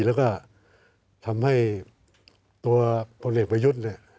แล้วก็ทำให้ตัวผลเหล็กประยุทธ์